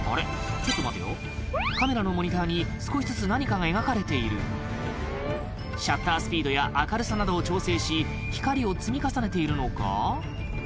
ちょっと待てよカメラのモニターに少しずつ何かが描かれているシャッタースピードや明るさなどを調整し光を積み重ねているのか？